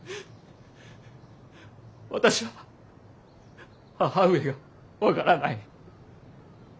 私は母上が分からない。